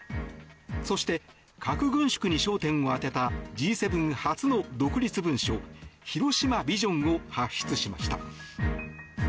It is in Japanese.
そして核軍縮に焦点を当てたＧ７初の独立文書広島ビジョンを発出しました。